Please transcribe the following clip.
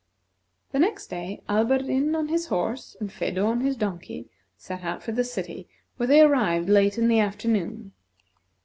The next day, Alberdin on his horse, and Phedo on his donkey, set out for the city, where they arrived late in the afternoon.